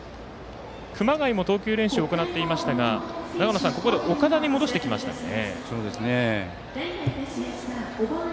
熊谷も投球練習を行っておりましたがここで岡田に戻してきましたね。